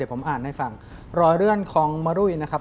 ผมอ่านให้ฟังรอยเลื่อนของมะรุยนะครับ